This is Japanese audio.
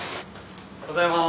おはようございます。